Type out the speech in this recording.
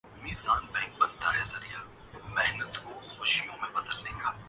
RRB نے کہا